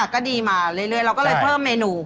ก็ดีมาเรื่อยเราก็เลยเพิ่มเมนู